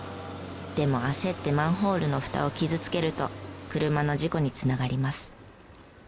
でも焦ってマンホールのふたを傷つけると車の事故に繋がります。